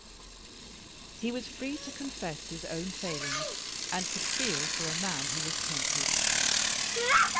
He was free to confess his own failings, and could feel for a man who was tempted.